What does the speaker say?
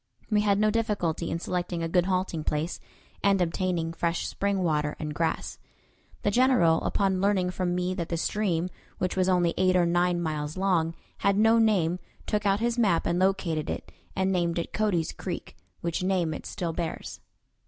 We had no difficulty in selecting a good halting place, and obtaining fresh spring water and grass. The General, upon learning from me that the stream which was only eight or nine miles long had no name, took out his map and located it, and named it Cody's Creek, which name it still bears.